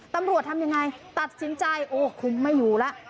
ตำรวจทำยังไงตัดสินใจโอ้คุมไม่อยู่แล้ว